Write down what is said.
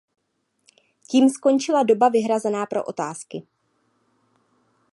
Tím skončila doba vyhrazená pro otázky.